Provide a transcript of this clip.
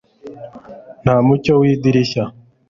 nta mucyo w'idirishya